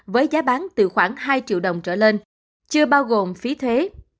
với giá bán từ khoảng hai triệu đồng trở lên chưa bao gồm phí thuế